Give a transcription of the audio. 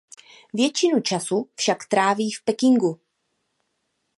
Většinu času však tráví v Pekingu.